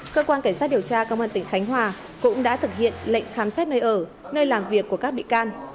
cơ quan cảnh sát điều tra công an tỉnh khánh hòa cũng đã thực hiện lệnh khám xét nơi ở nơi làm việc của các bị can